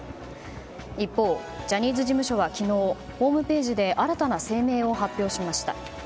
一方、ジャニーズ事務所は昨日ホームページで新たな声明を発表しました。